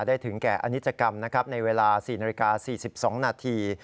ถึงแก่อนิจกรรมนะครับในเวลา๔นาฬิกา๔๒นาที